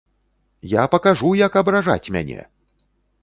Я пакажу, як абражаць мяне!